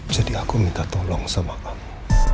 jadi aku minta tolong sama kamu